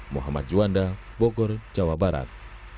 muhammad juanda bogor jawa barat